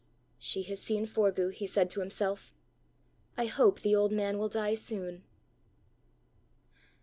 "She has seen Forgue!" he said to himself. "I hope the old man will die soon."